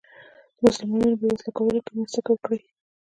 د مسلمانانو بې وسلو کولو کې مرسته وکړي.